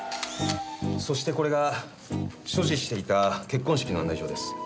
そしてこれが所持していた結婚式の案内状です。